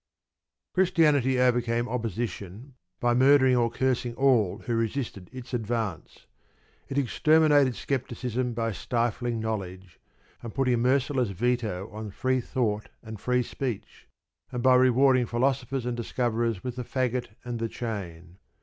Christianity overcame opposition by murdering or cursing all who resisted its advance. It exterminated scepticism by stifling knowledge, and putting a merciless veto on free thought and free speech, and by rewarding philosophers and discoverers with the faggot and the chain.